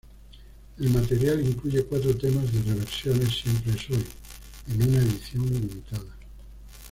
El material incluye cuatro temas de "Reversiones: Siempre es Hoy" en una edición limitada.